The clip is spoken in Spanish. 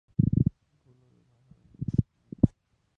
Bolo de baja denominación.